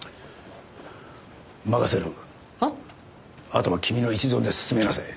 あとは君の一存で進めなさい。